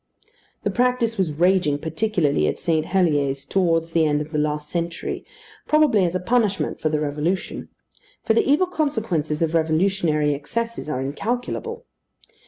The practice was raging particularly at St. Helier's towards the end of the last century, probably as a punishment for the Revolution; for the evil consequences of revolutionary excesses are incalculable.